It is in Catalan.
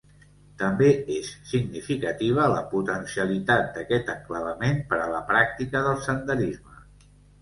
També és significativa la potencialitat d'aquest enclavament per a la pràctica del senderisme.